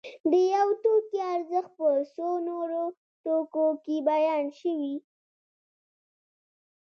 د یو توکي ارزښت په څو نورو توکو کې بیان شوی